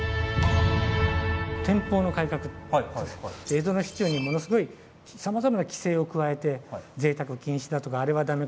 江戸の市中にものすごいさまざまな規制を加えてぜいたく禁止だとかあれはダメ